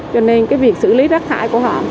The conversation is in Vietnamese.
cho nên cái việc xử lý rác thải của họ